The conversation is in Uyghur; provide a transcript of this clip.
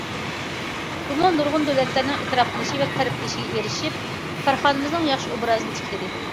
بۇمۇ نۇرغۇن دۆلەتلەرنىڭ ئېتىراپ قىلىشى ۋە تەرىپلىشىگە ئېرىشىپ، كارخانىمىزنىڭ ياخشى ئوبرازىنى تىكلىدى.